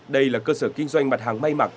đây là cơ sở kinh doanh mặt hàng may mặc